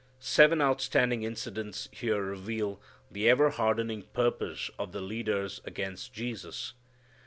Seven outstanding incidents here reveal the ever hardening purpose of the leaders against Jesus.